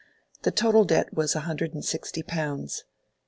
The total debt was a hundred and sixty pounds.